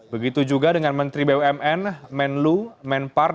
begitu juga dengan menteri bumn menlu menpar dan mencari